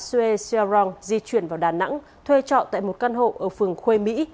sue sia rong di chuyển vào đà nẵng thuê trọ tại một căn hộ ở phường khuê mỹ